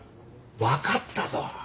わかったぞ。